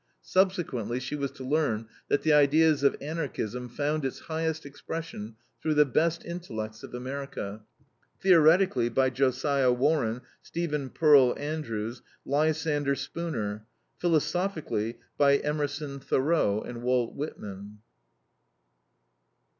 Subsequently she was to learn that the idea of Anarchism found its highest expression through the best intellects of America: theoretically by Josiah Warren, Stephen Pearl Andrews, Lysander Spooner; philosophically by Emerson, Thoreau, and Walt Whitman.